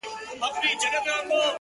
o نن بيا د هغې نامه په جار نارې وهلې چي،